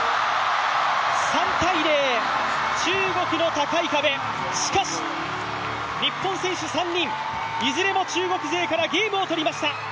３−０、中国の高い壁しかし日本選手３人いずれも中国勢からゲームを取りました。